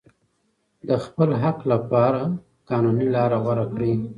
د خپل حق لپاره قانوني لاره غوره کړئ.